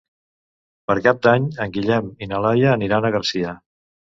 Per Cap d'Any en Guillem i na Laia aniran a Garcia.